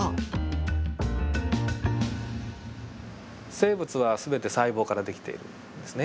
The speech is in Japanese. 生物は全て細胞からできているんですね。